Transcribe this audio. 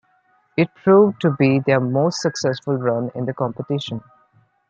It proved to be their most successful run in the competition.